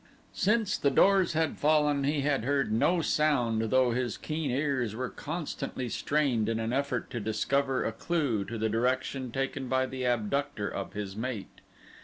Since the doors had fallen he had heard no sound though his keen ears were constantly strained in an effort to discover a clue to the direction taken by the abductor of his mate.